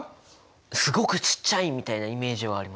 すごくちっちゃいみたいなイメージはあります。